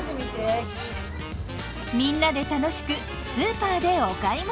みんなで楽しくスーパーでお買い物。